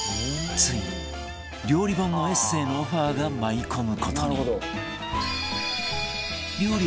ついに料理本のエッセイのオファーが舞い込む事に